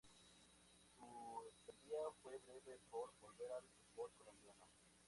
Su estadía fue breve por volver al fútbol Colombiano.